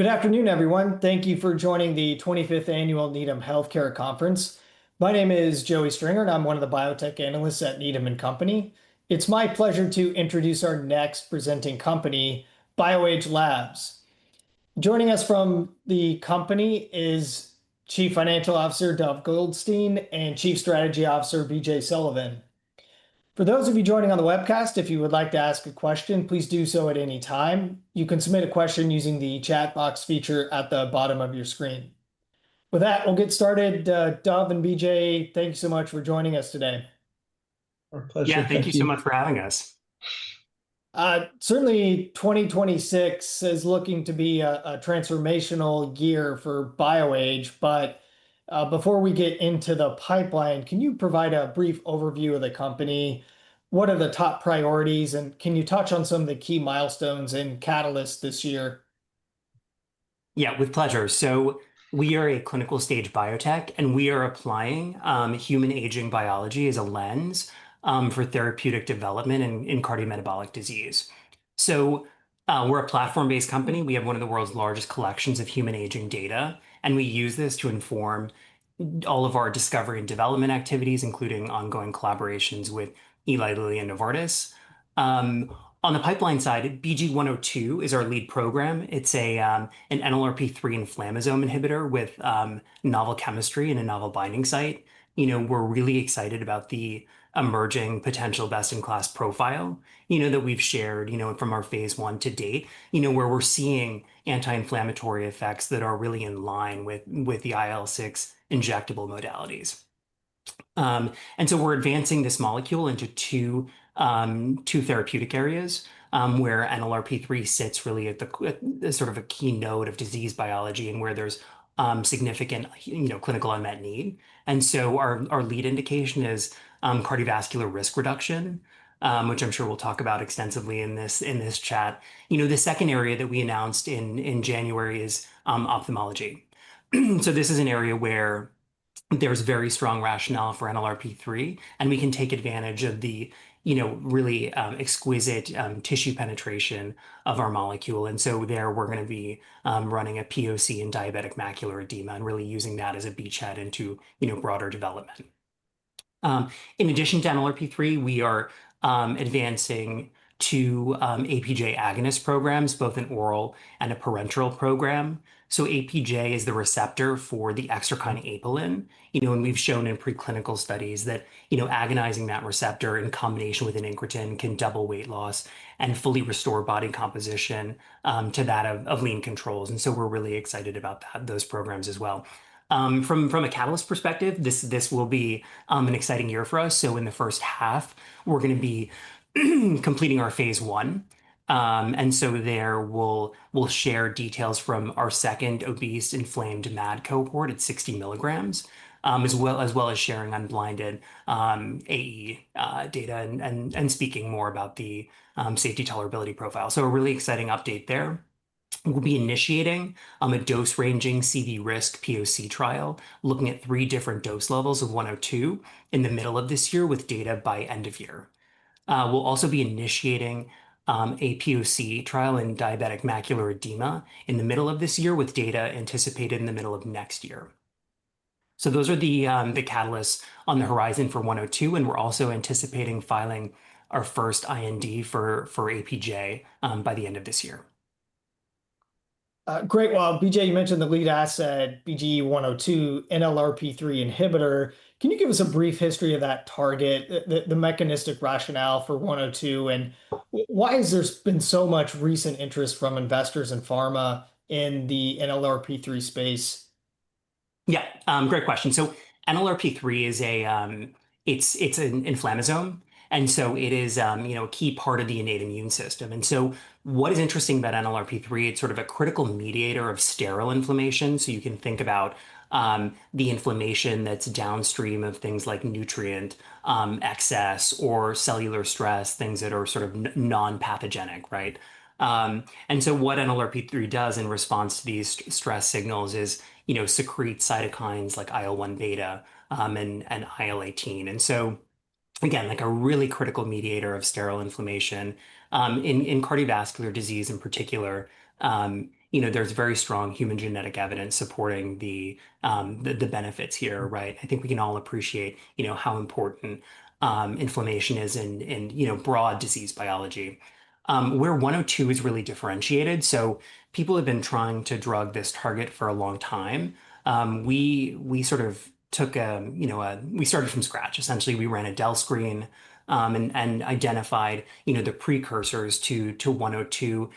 Good afternoon, everyone. Thank you for joining the 25th Annual Needham Virtual Healthcare Conference. My name is Joey Stringer, and I'm one of the biotech analysts at Needham & Company. It's my pleasure to introduce our next presenting company, BioAge Labs. Joining us from the company is Chief Financial Officer, Dov Goldstein, and Chief Strategy Officer, BJ Sullivan. For those of you joining on the webcast, if you would like to ask a question, please do so at any time. You can submit a question using the chat box feature at the bottom of your screen. With that, we'll get started. Dov and BJ, thank you so much for joining us today. Our pleasure. Thank you. Yeah, thank you so much for having us. Certainly, 2026 is looking to be a transformational year for BioAge, but before we get into the pipeline, can you provide a brief overview of the company? What are the top priorities, and can you touch on some of the key milestones and catalysts this year? Yeah. With pleasure. So we are a clinical stage biotech, and we are applying human aging biology as a lens for therapeutic development in cardiometabolic disease. We're a platform-based company. We have one of the world's largest collections of human aging data, and we use this to inform all of our discovery and development activities, including ongoing collaborations with Eli Lilly and Novartis. On the pipeline side, BG-102 is our lead program. It's an NLRP3 inflammasome inhibitor with novel chemistry and a novel binding site. We're really excited about the emerging potential best-in-class profile that we've shared from our phase I to date, where we're seeing anti-inflammatory effects that are really in line with the IL-6 injectable modalities. We're advancing this molecule into two therapeutic areas, where NLRP3 sits really at the key node of disease biology and where there's significant clinical unmet need. And so our lead indication is cardiovascular risk reduction, which I'm sure we'll talk about extensively in this chat. The second area that we announced in January is ophthalmology. This is an area where there's very strong rationale for NLRP3, and we can take advantage of the really exquisite tissue penetration of our molecule. There we're going to be running a POC in diabetic macular edema and really using that as a beachhead into broader development. In addition to NLRP3, we are advancing two APJ agonist programs, both an oral and a parenteral program. APJ is the receptor for the endogenous apelin. We've shown in pre-clinical studies that agonizing that receptor in combination with an incretin can double weight loss and fully restore body composition to that of lean controls. We're really excited about those programs as well. From a catalyst perspective, this will be an exciting year for us. In the first half, we're going to be completing our phase I. There, we'll share details from our second obese inflamed MAD cohort at 60 mg, as well as sharing unblinded AE data and speaking more about the safety tolerability profile. A really exciting update there. We'll be initiating a dose-ranging CV risk POC trial, looking at three different dose levels of BGE-102 in the middle of this year with data by end of year. We'll also be initiating a POC trial in diabetic macular edema in the middle of this year with data anticipated in the middle of next year. Those are the catalysts on the horizon for BGE-102, and we're also anticipating filing our first IND for APJ by the end of this year. Great. Well, BJ, you mentioned the lead asset, BGE-102 NLRP3 inhibitor. Can you give us a brief history of that target, the mechanistic rationale for BGE-102, and why has there been so much recent interest from investors in pharma in the NLRP3 space? Yeah. Great question. NLRP3 is an inflammasome, and so it is a key part of the innate immune system. What is interesting about NLRP3, it's sort of a critical mediator of sterile inflammation. You can think about the inflammation that's downstream of things like nutrient excess or cellular stress, things that are sort of non-pathogenic, right? What NLRP3 does in response to these stress signals is secrete cytokines like IL-1 beta and IL-18. Again, like a really critical mediator of sterile inflammation. In cardiovascular disease in particular, there's very strong human genetic evidence supporting the benefits here, right? I think we can all appreciate how important inflammation is in broad disease biology. Where BGE-102 is really differentiated, so people have been trying to drug this target for a long time. We started from scratch, essentially. We ran a DEL screen, and identified the precursors to BGE-102.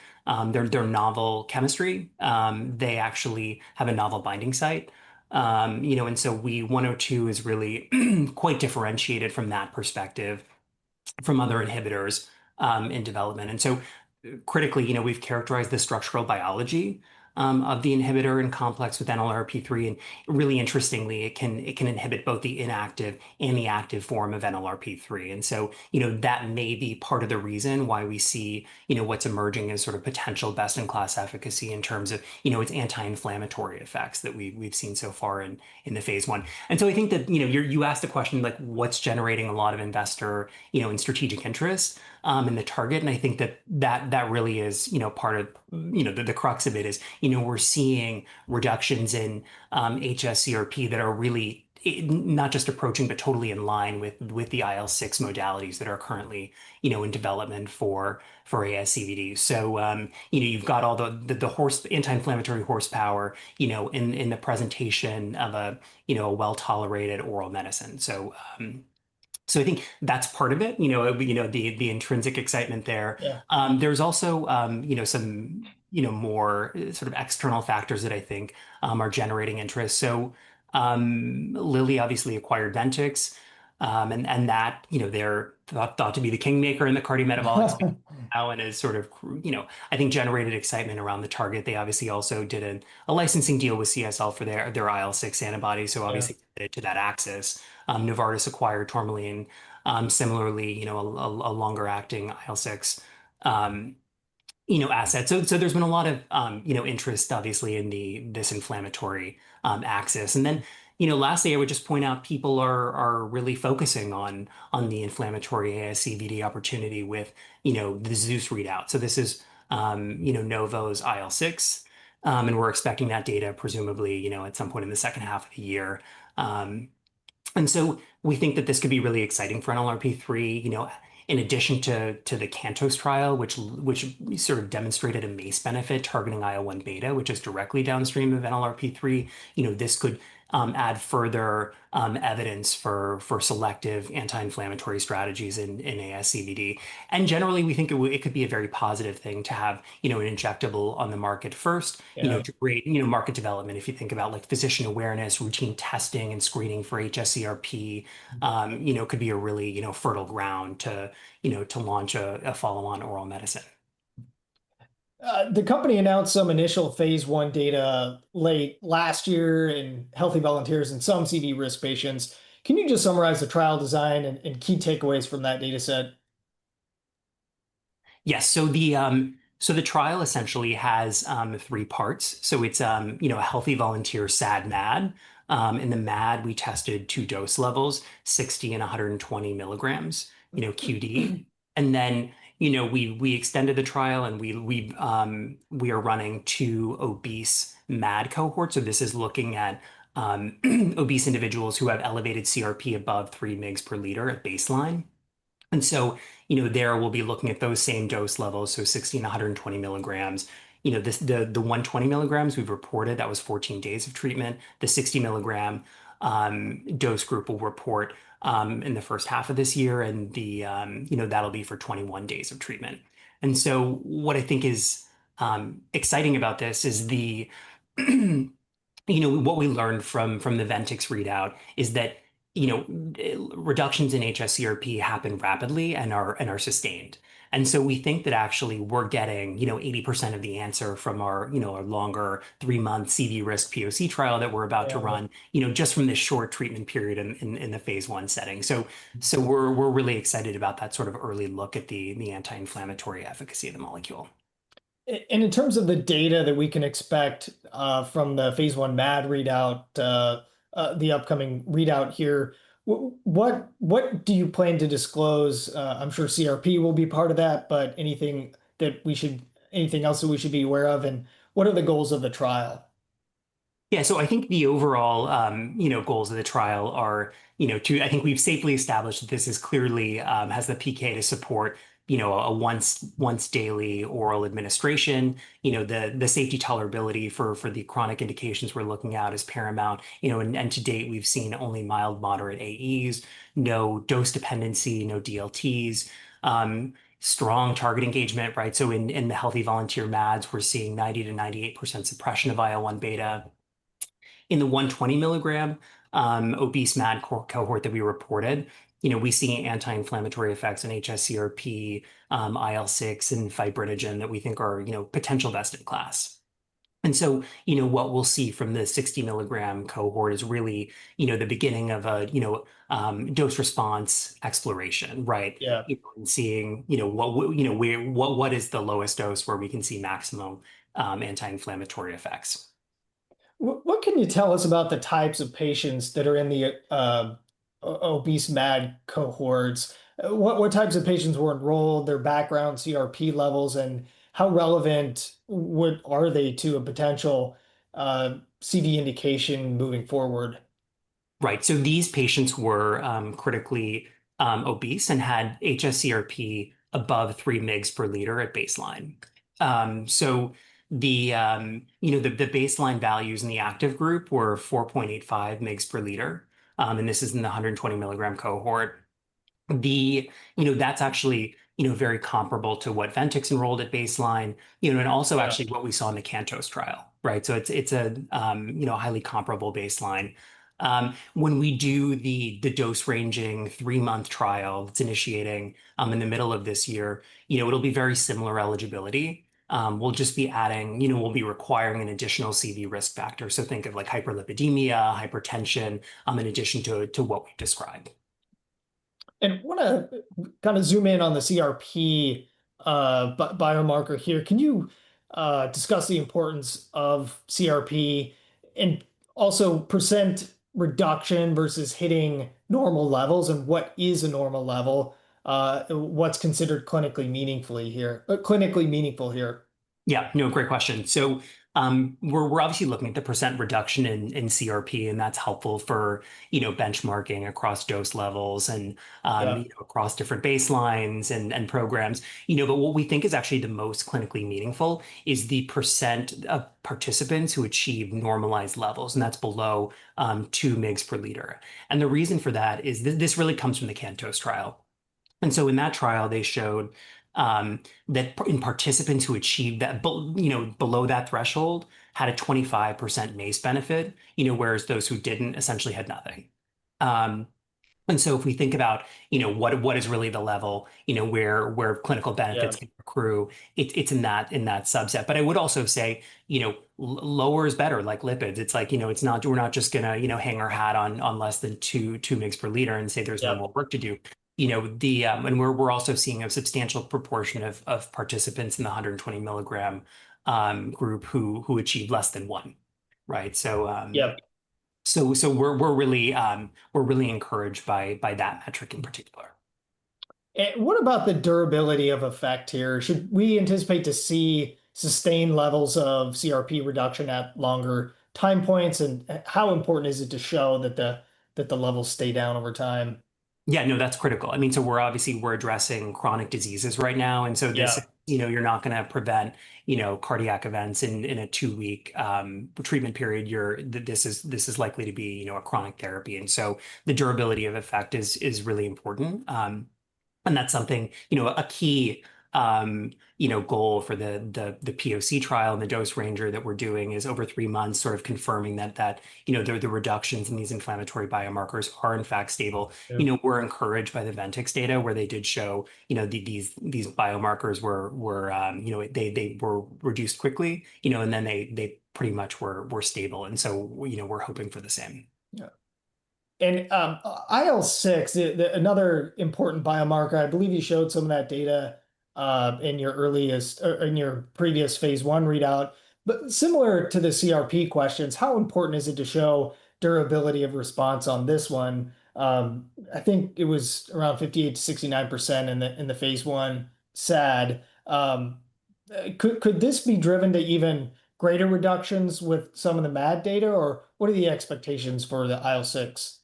They're novel chemistry. They actually have a novel binding site. BGE-102 is really quite differentiated from that perspective from other inhibitors in development. Critically, we've characterized the structural biology of the inhibitor in complex with NLRP3, and really interestingly, it can inhibit both the inactive and the active form of NLRP3. That may be part of the reason why we see what's emerging as sort of potential best-in-class efficacy in terms of its anti-inflammatory effects that we've seen so far in the phase I. I think that you asked a question like what's generating a lot of investor and strategic interest in the target, and I think that really is part of the crux of it is we're seeing reductions in hs-CRP that are really not just approaching but totally in line with the IL-6 modalities that are currently in development for ASCVD. You've got all the anti-inflammatory horsepower in the presentation of a well-tolerated oral medicine. I think that's part of it, the intrinsic excitement there. Yeah. There's also some more sort of external factors that I think are generating interest. Lilly obviously acquired Ventyx. They're thought to be the kingmaker in the cardiometabolic space now, and has sort of, I think, generated excitement around the target. They obviously also did a licensing deal with CSL for their IL-6 antibody, so obviously committed to that axis. Novartis acquired Tourmaline, similarly, a longer acting IL-6 asset. There's been a lot of interest, obviously, in this inflammatory axis. Then, lastly I would just point out people are really focusing on the inflammatory ASCVD opportunity with the ZEUS readout. This is Novo's IL-6, and we're expecting that data presumably at some point in the second half of the year. We think that this could be really exciting for NLRP3, in addition to the CANTOS trial, which sort of demonstrated a MACE benefit targeting IL-1 beta, which is directly downstream of NLRP3. This could add further evidence for selective anti-inflammatory strategies in ASCVD. Generally, we think it could be a very positive thing to have an injectable on the market first to create market development. If you think about physician awareness, routine testing, and screening for hs-CRP, could be a really fertile ground to launch a follow-on oral medicine. The company announced some initial phase I data late last year in healthy volunteers and some CV risk patients. Can you just summarize the trial design and key takeaways from that dataset? Yes. The trial essentially has three parts. It's a healthy volunteer SAD/MAD. In the MAD, we tested two dose levels, 60 and 120 milligrams, QD. We extended the trial, and we are running two obese MAD cohorts. This is looking at obese individuals who have elevated CRP above 3 mg per liter at baseline. There we'll be looking at those same dose levels, so 60 and 120 milligrams. The 120 milligrams we've reported, that was 14 days of treatment. The 60 milligram dose group we'll report in the first half of this year, and that'll be for 21 days of treatment. What I think is exciting about this is the, what we learned from the Ventyx readout is that reductions in hs-CRP happen rapidly and are sustained. We think that actually we're getting 80% of the answer from our longer three-month CV risk POC trial that we're about to run just from this short treatment period in the phase I setting. We're really excited about that sort of early look at the anti-inflammatory efficacy of the molecule. In terms of the data that we can expect from the phase I MAD readout, the upcoming readout here, what do you plan to disclose? I'm sure CRP will be part of that, but anything else that we should be aware of, and what are the goals of the trial? Yeah. I think we've safely established that this clearly has the PK to support a once daily oral administration. The safety tolerability for the chronic indications we're looking at is paramount. To date, we've seen only mild moderate AEs, no dose dependency, no DLTs, strong target engagement, right? In the healthy volunteer MADs, we're seeing 90%-98% suppression of IL-1 beta. In the 120 mg obese MAD cohort that we reported, we see anti-inflammatory effects in hs-CRP, IL-6, and fibrinogen that we think are potential best-in-class. What we'll see from the 60 mg cohort is really the beginning of a dose response exploration, right? Yeah. Seeing what is the lowest dose where we can see maximum anti-inflammatory effects. What can you tell us about the types of patients that are in the obese MAD cohorts? What types of patients were enrolled, their background CRP levels, and how relevant are they to a potential CV indication moving forward? Right. These patients were critically obese and had hs-CRP above 3 mg/L at baseline. The baseline values in the active group were 4.85 mg/L, and this is in the 120 mg cohort. That's actually very comparable to what Ventyx enrolled at baseline, and also actually what we saw in the CANTOS trial. It's a highly comparable baseline. When we do the dose ranging three-month trial that's initiating in the middle of this year, it'll be very similar eligibility. We'll just be requiring an additional CV risk factor, so think of hyperlipidemia, hypertension, in addition to what we've described. I want to kind of zoom in on the CRP biomarker here. Can you discuss the importance of CRP, and also percent reduction versus hitting normal levels, and what is a normal level? What's considered clinically meaningful here? Yeah. No, great question. We're obviously looking at the percentage reduction in CRP, and that's helpful for benchmarking across dose levels and- Yeah... across different baselines and programs. What we think is actually the most clinically meaningful is the percent of participants who achieve normalized levels, and that's below 2 mg/L. The reason for that is, this really comes from the CANTOS trial. In that trial, they showed that in participants who achieved that below that threshold had a 25% MACE benefit, whereas those who didn't essentially had nothing. If we think about what is really the level, where clinical benefits- Yeah... can accrue, it's in that subset. I would also say, lower is better, like lipids. It's like we're not just going to hang our hat on less than 2 mg/L and say there's Yeah No more work to do. We're also seeing a substantial proportion of participants in the 120 mg group who achieved less than one. Right? Yep We're really encouraged by that metric in particular. What about the durability of effect here? Should we anticipate to see sustained levels of CRP reduction at longer time points? How important is it to show that the levels stay down over time? Yeah, no, that's critical. Obviously we're addressing chronic diseases right now, and so- Yeah You're not going to prevent cardiac events in a two-week treatment period. This is likely to be a chronic therapy, and so the durability of effect is really important. A key goal for the POC trial and the dose ranging that we're doing is over three months sort of confirming that the reductions in these inflammatory biomarkers are in fact stable. Yeah. We're encouraged by the Ventyx data where they did show these biomarkers were reduced quickly, and then they pretty much were stable, and so we're hoping for the same. Yeah. IL-6, another important biomarker, I believe you showed some of that data in your previous phase I readout. Similar to the CRP questions, how important is it to show durability of response on this one? I think it was around 58%-69% in the phase I SAD. Could this be driven to even greater reductions with some of the MAD data, or what are the expectations for the IL-6?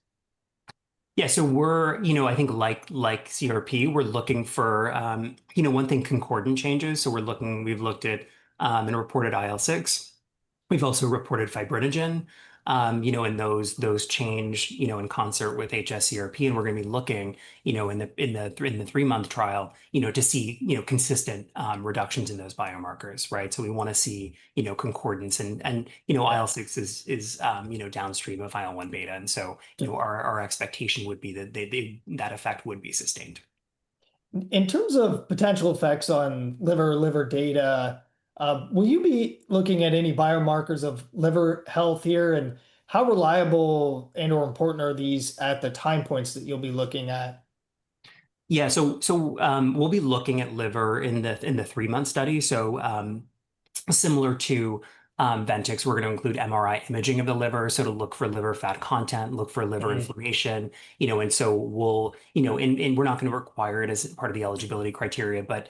Yeah. I think like CRP, we're looking for one thing, concordant changes. We've looked at and reported IL-6. We've also reported fibrinogen, and those change in concert with hs-CRP, and we're going to be looking in the three-month trial to see consistent reductions in those biomarkers. Right? We want to see concordance, and IL-6 is downstream of IL-1 beta, and so our expectation would be that that effect would be sustained. In terms of potential effects on liver data, will you be looking at any biomarkers of liver health here, and how reliable and/or important are these at the time points that you'll be looking at? Yeah. We'll be looking at liver in the three-month study. Similar to Ventyx, we're going to include MRI imaging of the liver, so to look for liver fat content, look for liver inflammation. We're not going to require it as part of the eligibility criteria, but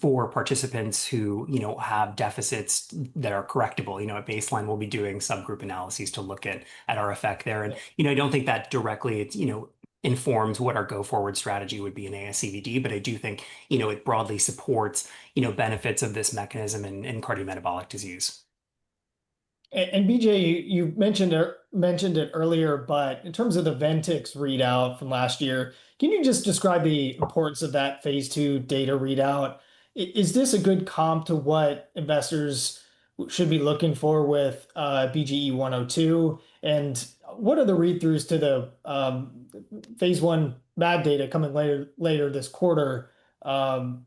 for participants who have deficits that are correctable, at baseline, we'll be doing subgroup analyses to look at our effect there. Right. I don't think that directly informs what our go-forward strategy would be in ASCVD, but I do think it broadly supports benefits of this mechanism in cardiometabolic disease. BJ, you've mentioned it earlier, but in terms of the Ventyx readout from last year, can you just describe the importance of that phase II data readout? Is this a good comp to what investors should be looking for with BGE-102, and what are the read-throughs to the phase I MAD data coming later this quarter? What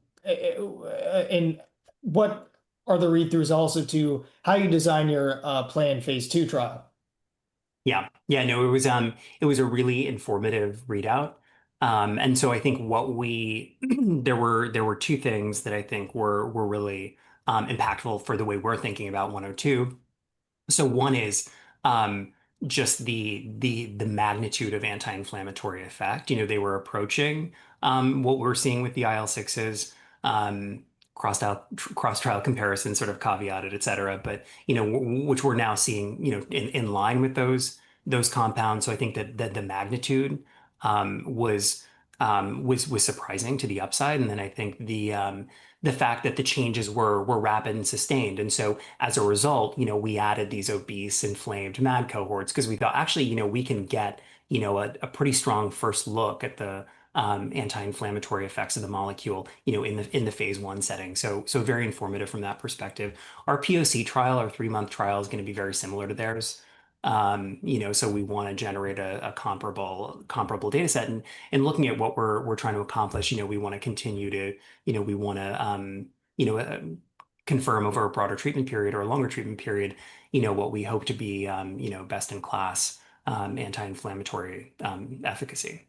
are the read-throughs also to how you design your planned phase II trial? Yeah. No, it was a really informative readout. There were two things that I think were really impactful for the way we're thinking about BGE-102. One is just the magnitude of anti-inflammatory effect. They were approaching what we're seeing with the IL-6s cross-trial comparison sort of caveated, et cetera, but which we're now seeing in line with those compounds. I think that the magnitude was surprising to the upside, and then I think the fact that the changes were rapid and sustained. As a result, we added these obese, inflamed MAD cohorts because we thought actually we can get a pretty strong first look at the anti-inflammatory effects of the molecule in the phase I setting. Very informative from that perspective. Our POC trial, our three-month trial is going to be very similar to theirs. We want to generate a comparable data set. Looking at what we're trying to accomplish, we want to confirm over a broader treatment period or a longer treatment period, what we hope to be best-in-class anti-inflammatory efficacy.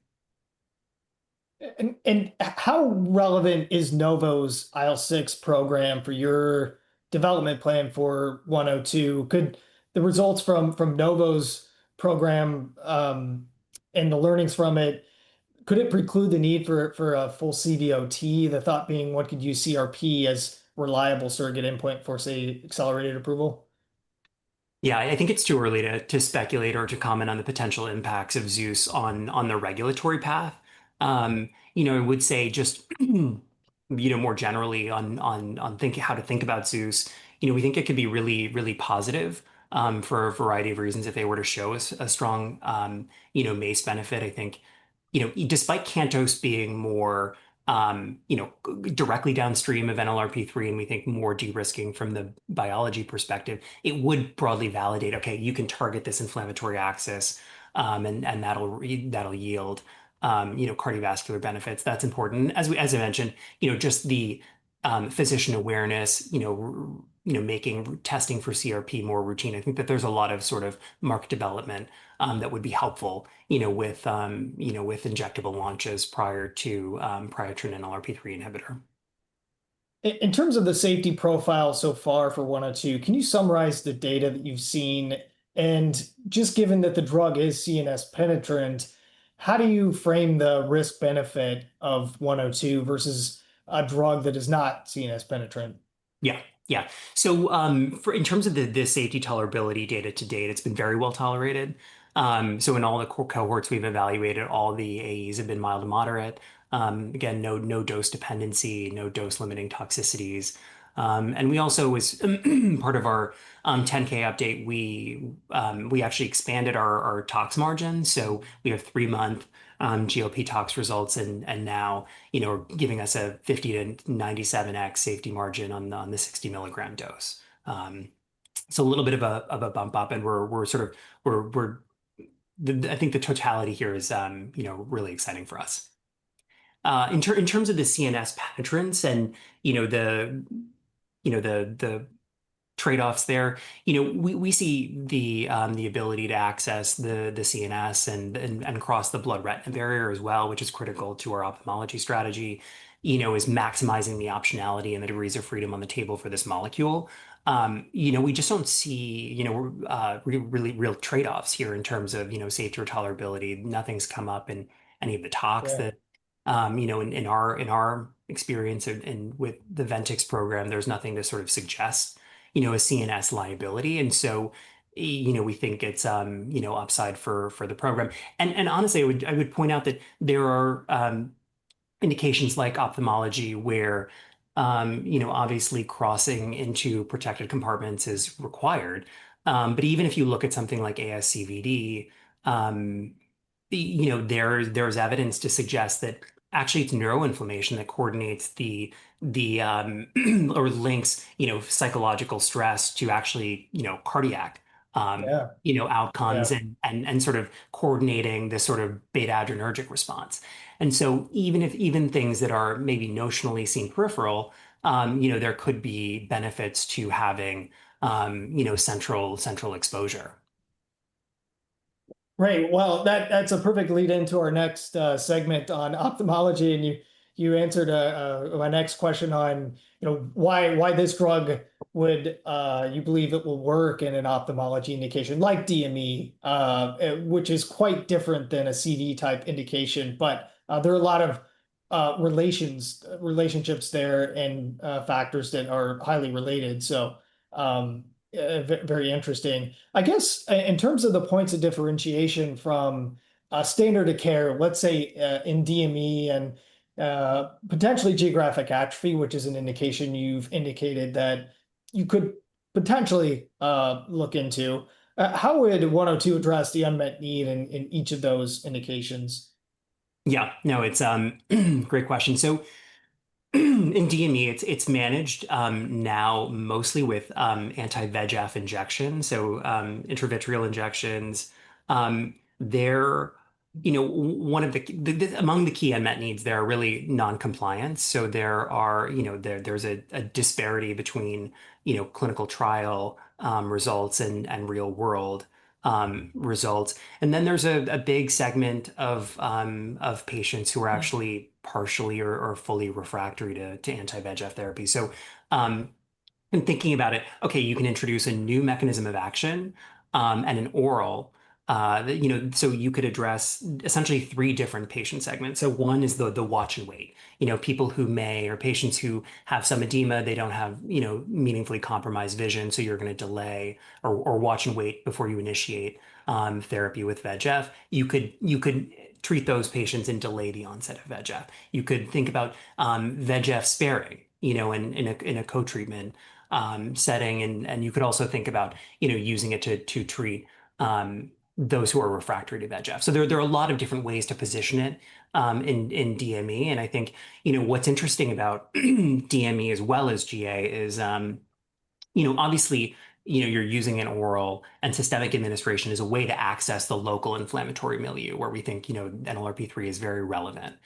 How relevant is Novo's IL-6 program for your development plan for 102? Could the results from Novo's program, and the learnings from it, could it preclude the need for a full CVOT? The thought being what could use CRP as reliable surrogate endpoint for, say, accelerated approval? Yeah. I think it's too early to speculate or to comment on the potential impacts of ZEUS on the regulatory path. I would say just. More generally on how to think about ZEUS, we think it could be really positive for a variety of reasons if they were to show us a strong MACE benefit. I think despite CANTOS being more directly downstream of NLRP3, and we think more de-risking from the biology perspective, it would broadly validate, okay, you can target this inflammatory axis, and that'll yield cardiovascular benefits. That's important. As I mentioned, just the physician awareness, making testing for CRP more routine. I think that there's a lot of sort of market development that would be helpful with injectable launches prior to an NLRP3 inhibitor. In terms of the safety profile so far for BGE-102, can you summarize the data that you've seen? Just given that the drug is CNS penetrant, how do you frame the risk benefit of BGE-102 versus a drug that is not CNS penetrant? Yeah. In terms of the safety tolerability data to date, it's been very well tolerated. In all the cohorts we've evaluated, all the AEs have been mild to moderate. Again, no dose dependency, no dose-limiting toxicities. We also, as part of our 10-K update, we actually expanded our tox margin. We have three-month GLP tox results and now giving us a 50x-97x safety margin on the 60 milligram dose. A little bit of a bump up and I think the totality here is really exciting for us. In terms of the CNS penetrance and the trade-offs there, we see the ability to access the CNS and across the blood-retinal barrier as well, which is critical to our ophthalmology strategy, is maximizing the optionality and the degrees of freedom on the table for this molecule. We just don't see real trade-offs here in terms of safety or tolerability. Nothing's come up in any of the talks that Yeah In our experience and with the Ventyx program, there's nothing to sort of suggest a CNS liability. We think it's upside for the program. Honestly, I would point out that there are indications like ophthalmology where obviously crossing into protected compartments is required. Even if you look at something like ASCVD, there's evidence to suggest that actually it's neuroinflammation that coordinates or links psychological stress to actually cardiac- Yeah outcomes and sort of coordinating this sort of beta-adrenergic response. Even if things that are maybe notionally seem peripheral, there could be benefits to having central exposure. Right. Well, that's a perfect lead-in to our next segment on ophthalmology, and you answered my next question on why this drug, you believe it will work in an ophthalmology indication like DME, which is quite different than a CV type indication. There are a lot of relationships there and factors that are highly related, so very interesting. I guess in terms of the points of differentiation from standard of care, let's say in DME and potentially geographic atrophy, which is an indication you've indicated that you could potentially look into, how would BGE-102 address the unmet need in each of those indications? Yeah. No, it's a great question. In DME, it's managed now mostly with anti-VEGF injections, so intravitreal injections. Among the key unmet needs there are really non-compliance, so there's a disparity between clinical trial results and real-world results. Then there's a big segment of patients who are actually partially or fully refractory to anti-VEGF therapy. In thinking about it, okay, you can introduce a new mechanism of action, and an oral, so you could address essentially three different patient segments. One is the watch and wait. Patients who have some edema, they don't have meaningfully compromised vision, so you're going to delay or watch and wait before you initiate therapy with VEGF. You could treat those patients and delay the onset of VEGF. You could think about VEGF sparing, in a co-treatment setting. You could also think about using it to treat those who are refractory to VEGF. There are a lot of different ways to position it in DME, and I think, what's interesting about DME as well as GA is, obviously, you're using an oral, and systemic administration is a way to access the local inflammatory milieu, where we think NLRP3 is very relevant.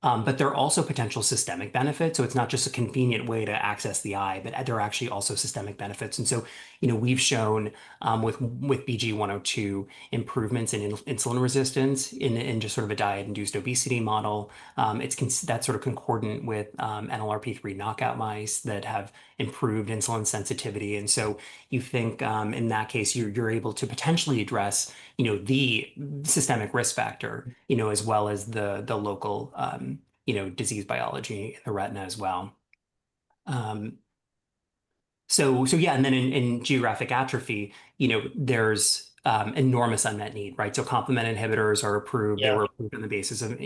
There are also potential systemic benefits. It's not just a convenient way to access the eye, but there are actually also systemic benefits. We've shown with BGE-102 improvements in insulin resistance in just sort of a diet-induced obesity model. That's sort of concordant with NLRP3 knockout mice that have improved insulin sensitivity, and so you think in that case, you're able to potentially address the systemic risk factor, as well as the local disease biology in the retina as well. Yeah. In geographic atrophy, there's enormous unmet need, right? Complement inhibitors are approved. Yeah. They were approved on the basis of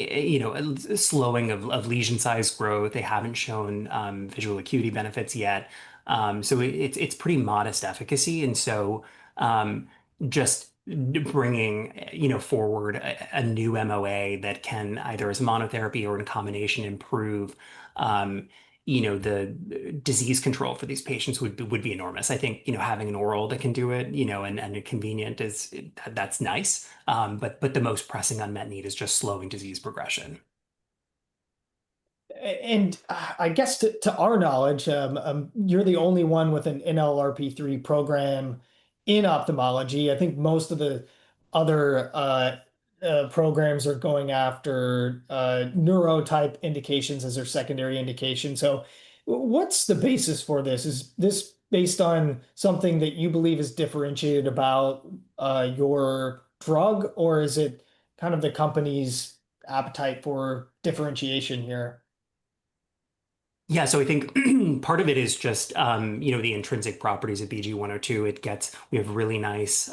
a slowing of lesion size growth. They haven't shown visual acuity benefits yet. It's pretty modest efficacy. Just bringing forward a new MOA that can either, as monotherapy or in combination, improve the disease control for these patients would be enormous. I think, having an oral that can do it, and convenient, that's nice. The most pressing unmet need is just slowing disease progression. I guess to our knowledge, you're the only one with an NLRP3 program in ophthalmology. I think most of the other programs are going after neuro type indications as their secondary indication. What's the basis for this? Is this based on something that you believe is differentiated about your drug, or is it kind of the company's appetite for differentiation here? Yeah. I think part of it is just the intrinsic properties of BGE-102. We have really nice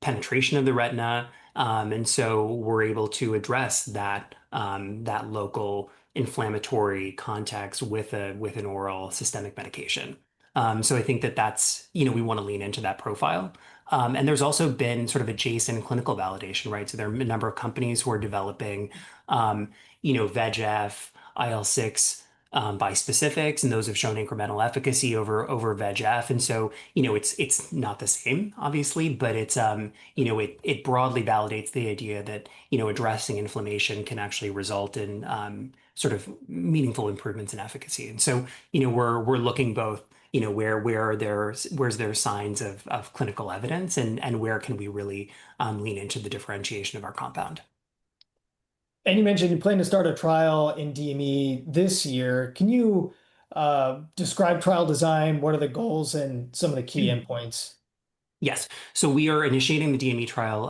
penetration of the retina. We're able to address that local inflammatory context with an oral systemic medication. I think that we want to lean into that profile. There's also been sort of adjacent clinical validation, right? There are a number of companies who are developing VEGF, IL-6 bispecifics, and those have shown incremental efficacy over VEGF. It's not the same obviously, but it broadly validates the idea that addressing inflammation can actually result in sort of meaningful improvements in efficacy. We're looking both where there's signs of clinical evidence and where can we really lean into the differentiation of our compound. You mentioned you plan to start a trial in DME this year. Can you describe trial design, what are the goals and some of the key endpoints? Yes. We are initiating the DME trial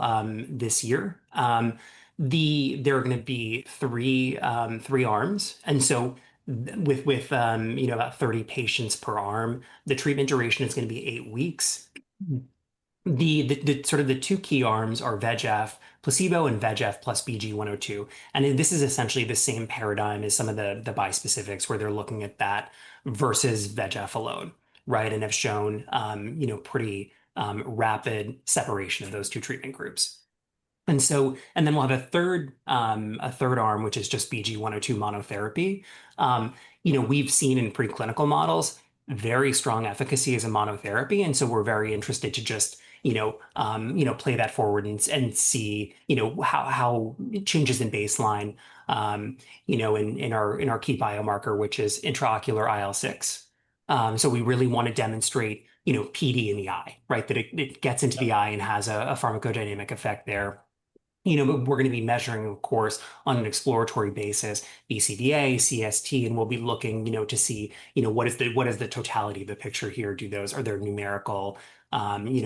this year. There are going to be three arms. With about 30 patients per arm. The treatment duration is going to be eight weeks. The two key arms are VEGF placebo and VEGF plus BGE-102. This is essentially the same paradigm as some of the bispecifics where they're looking at that versus VEGF alone, right? Have shown pretty rapid separation of those two treatment groups. Then we'll have a third arm, which is just BGE-102 monotherapy. We've seen in preclinical models very strong efficacy as a monotherapy, and so we're very interested to just play that forward and see how changes in baseline in our key biomarker, which is intraocular IL-6. We really want to demonstrate PD in the eye, right? That it gets into the eye and has a pharmacodynamic effect there. We're going to be measuring, of course, on an exploratory basis, BCVA, CST, and we'll be looking to see what is the totality of the picture here. Are there numerical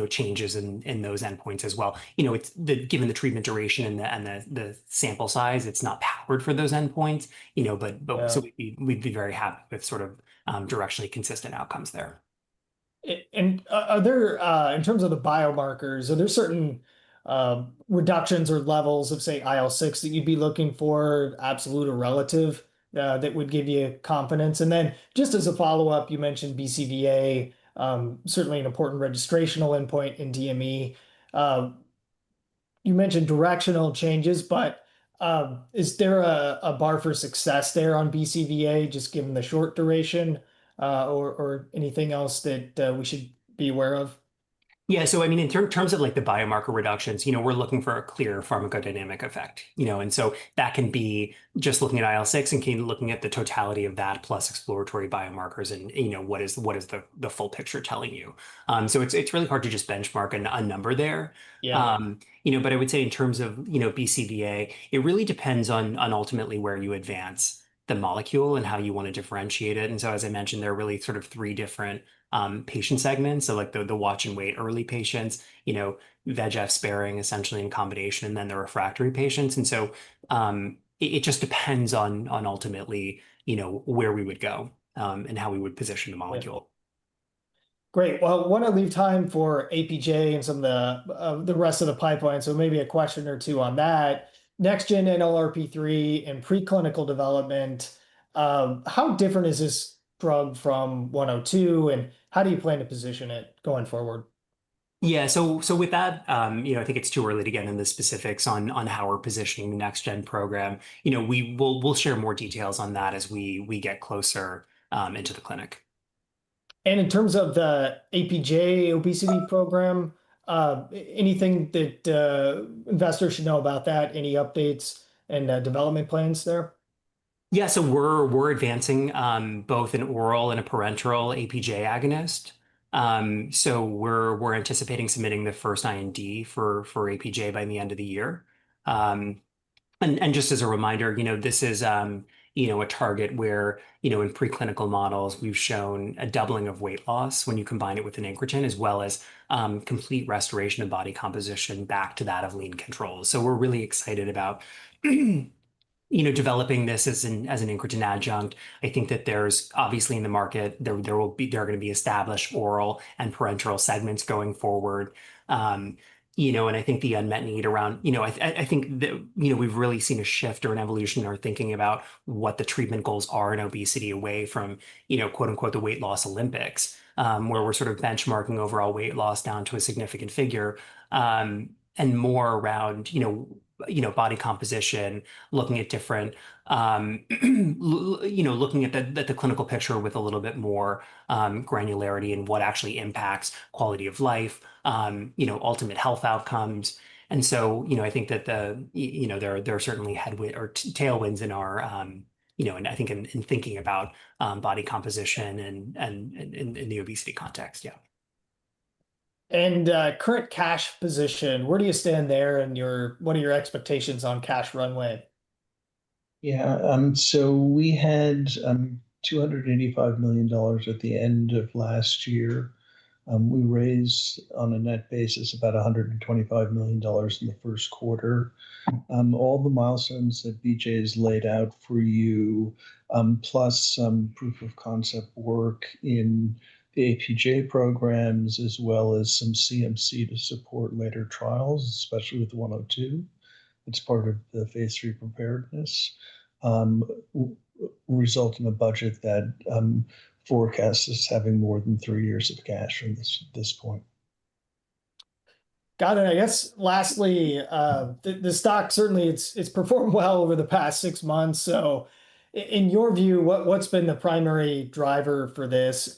changes in those endpoints as well? Given the treatment duration and the sample size, it's not powered for those endpoints. Yeah We'd be very happy with sort of directionally consistent outcomes there. Are there, in terms of the biomarkers, certain reductions or levels of, say, IL-6 that you'd be looking for, absolute or relative, that would give you confidence? Then just as a follow-up, you mentioned BCVA, certainly an important registrational endpoint in DME. You mentioned directional changes, but is there a bar for success there on BCVA, just given the short duration, or anything else that we should be aware of? Yeah. I mean, in terms of the biomarker reductions, we're looking for a clear pharmacodynamic effect. That can be just looking at IL-6 and looking at the totality of that plus exploratory biomarkers and what is the full picture telling you. It's really hard to just benchmark a number there. Yeah. I would say in terms of BCVA, it really depends on ultimately where you advance the molecule and how you want to differentiate it. As I mentioned, there are really sort of three different patient segments, so like the watch and wait early patients, VEGF sparing, essentially in combination, and then the refractory patients. It just depends on ultimately where we would go, and how we would position the molecule. Great. Well, I want to leave time for APJ and some of the rest of the pipeline, so maybe a question or two on that. Next gen NLRP3 and preclinical development. How different is this drug from BGE-102, and how do you plan to position it going forward? Yeah. With that, I think it's too early to get into the specifics on how we're positioning the next-gen program. We'll share more details on that as we get closer into the clinic. In terms of the APJ obesity program, anything that investors should know about that? Any updates and development plans there? Yeah. We're advancing both an oral and a parenteral APJ agonist. We're anticipating submitting the first IND for APJ by the end of the year. Just as a reminder, this is a target where, in preclinical models, we've shown a doubling of weight loss when you combine it with an incretin, as well as complete restoration of body composition back to that of lean controls. We're really excited about, you know, developing this as an incretin adjunct. I think that there's obviously in the market, there are going to be established oral and parenteral segments going forward. I think the unmet need around, I think that we've really seen a shift or an evolution in our thinking about what the treatment goals are in obesity, away from, quote-unquote, "The Weight Loss Olympics," where we're sort of benchmarking overall weight loss down to a significant figure, and more around body composition, looking at the clinical picture with a little bit more granularity and what actually impacts quality of life, ultimate health outcomes. I think that there are certainly tailwinds in our thinking about body composition and in the obesity context, yeah. Current cash position, where do you stand there and what are your expectations on cash runway? We had $285 million at the end of last year. We raised, on a net basis, about $125 million in the first quarter. All the milestones that BJ's laid out for you, plus some proof of concept work in the APJ programs, as well as some CMC to support later trials, especially with BGE-102. It's part of the phase III preparedness, will result in a budget that forecasts us having more than three years of cash from this point. Got it. I guess, lastly, the stock, certainly it's performed well over the past six months. In your view, what's been the primary driver for this?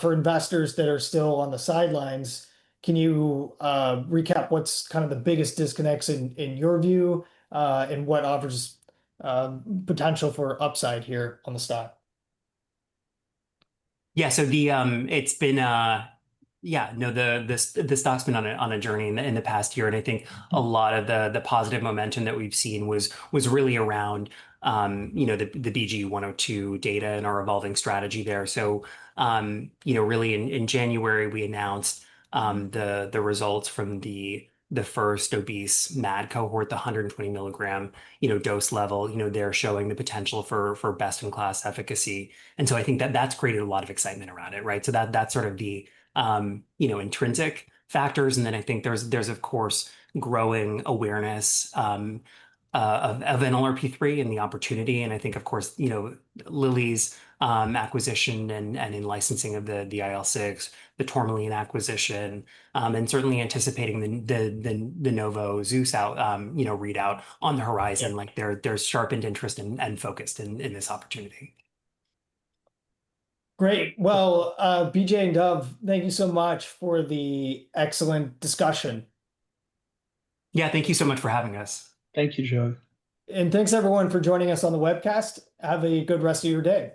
For investors that are still on the sidelines, can you recap what's kind of the biggest disconnects in your view, and what offers potential for upside here on the stock? Yeah. The stock's been on a journey in the past year, and I think a lot of the positive momentum that we've seen was really around the BGE-102 data and our evolving strategy there. Really in January we announced the results from the first obese MAD cohort, the 120 mg dose level. They're showing the potential for best-in-class efficacy. I think that's created a lot of excitement around it, right? That's sort of the intrinsic factors. I think there's, of course, growing awareness of an NLRP3 and the opportunity, and I think, of course, Lilly's acquisition and in-licensing of the IL-6, the Tourmaline acquisition, and certainly anticipating the Novo ZEUS readout on the horizon. There's sharpened interest and focus in this opportunity. Great. Well, BJ and Dov, thank you so much for the excellent discussion. Yeah. Thank you so much for having us. Thank you, Joey. Thanks, everyone, for joining us on the webcast. Have a good rest of your day.